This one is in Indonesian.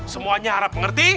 semuanya harap mengerti